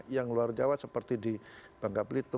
yang luar jawa seperti di bangka belitung